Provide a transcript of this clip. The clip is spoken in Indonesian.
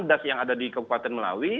das yang ada di kabupaten melawi